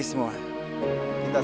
bagaimana nih ki